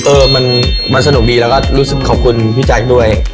เออมันสนุกดีแล้วก็รู้สึกขอบคุณพี่แจ๊คด้วย